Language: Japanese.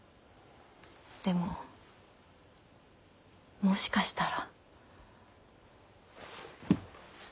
でももしかしたら。